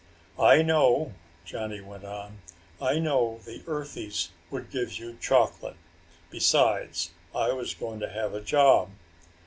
"I know," Johnny went on, "I know the earthies would give you chocolate. Besides I was going to have a job."